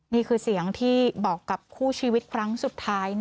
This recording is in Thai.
นี่คือเสียงที่บอกกับคู่ชีวิตครั้งสุดท้าย